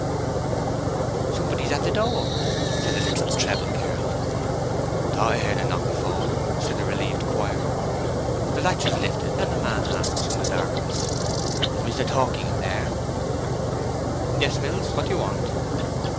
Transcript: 'Somebody's at the door!' said a little treble girl. 'Thought I heard a knock before!' said the relieved choir. The latch was lifted, and a man asked from the darkness, 'Is Mr. Torkingham here?' 'Yes, Mills. What do you want?'